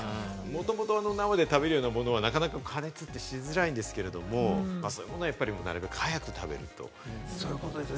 もともと生で食べるようなものはなかなか加熱ってしづらいですけれども、なるべく早く食べるということですね。